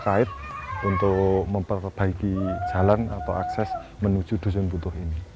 terkait untuk memperbaiki jalan atau akses menuju dusun butuh ini